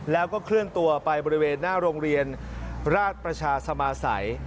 แล้วก็เคลื่อนตัวไปบริเวณหน้าโรงเรียนราชประชาสมาสัย